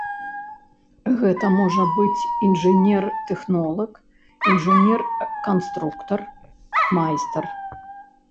Гэта можа быць інжынер-тэхнолаг, інжынер-канструктар, майстар.